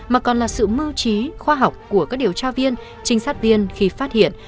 mà còn là sự mưu trí khoa học của các điều tra viên trinh sát viên khi phát hiện